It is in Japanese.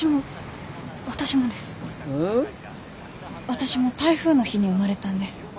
私も台風の日に生まれたんです。